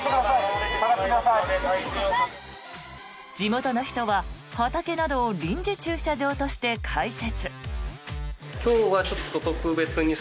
地元の人は畑などを臨時駐車場として開設。